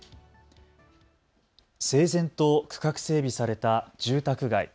整然と区画整備された住宅街。